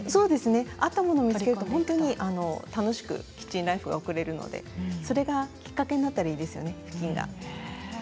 合ったものを見つけると本当に楽しくキッチンライフが送れるので、それがきっかけになったらいいですね